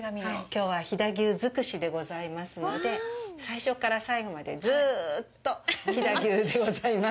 きょうは飛騨牛尽くしでございますので最初から最後までずうっと飛騨牛でございます。